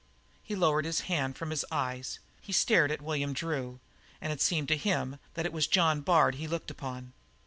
He lowered his hand from his eyes; he stared at William Drew, and it seemed to him that it was John Bard he looked upon.